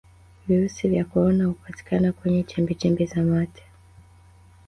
virusi vya korona hupatikana kwenye chembechembe za mate